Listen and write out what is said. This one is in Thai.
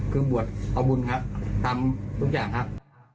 คือบวชเอาบุญครับทำทุกอย่างครับ